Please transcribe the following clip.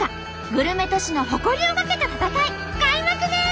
グルメ都市の誇りをかけた戦い開幕です！